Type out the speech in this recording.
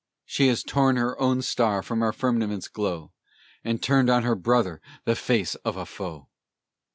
She has torn her own star from our firmament's glow, And turned on her brother the face of a foe!